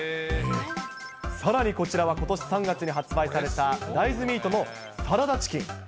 さらにこちらはことし３月に発売された大豆ミートのサラダチキン。